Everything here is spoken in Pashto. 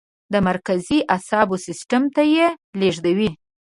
د مرکزي اعصابو سیستم ته یې لیږدوي.